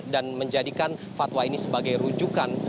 dan menjadikan fatwa ini sebagai rujukan